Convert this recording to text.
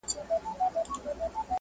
یوه ورځ راته دا فکر پیدا نه سو٫